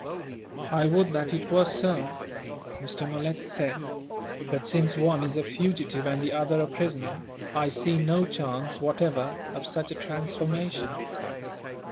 "I would that it were so," Mr. Malet said, "but since one is a fugitive and the other a prisoner, I see no chance, whatever, of such a transformation."